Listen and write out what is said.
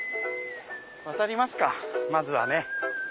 渡りますかまずはね。